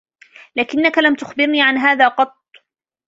لكنك لم تخبرني عن هذا قط!